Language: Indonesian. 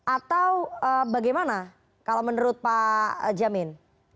atau bagaimana kalau menurut pak jamin